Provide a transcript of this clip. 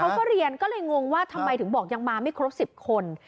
เขาก็เรียนก็เลยงงว่าทำไมถึงบอกยังมาไม่ครบ๑๐คน